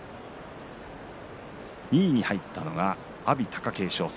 ２位に入ったのは阿炎、貴景勝戦。